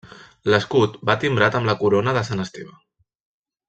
L'escut va timbrat amb la Corona de Sant Esteve.